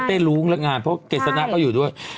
เต้ลุงและงานเพราะเกษณะเขาอยู่ด้วย